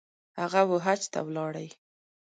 هغه ، وحج ته ولاړی